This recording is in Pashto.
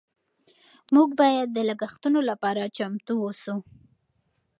موږ باید د لګښتونو لپاره چمتو اوسو.